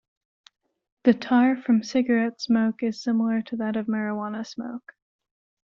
The tar from cigarette smoke is similar to that of marijuana smoke.